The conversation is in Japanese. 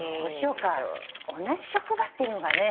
同じ職場っていうのがね